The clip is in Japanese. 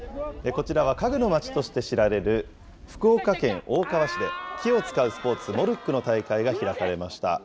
こちらは家具のまちとして知られる、福岡県大川市で、木を使うスポーツ、モルックの大会が開かれました。